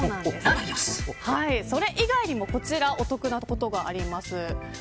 それ以外にもこちらお得なことがあります。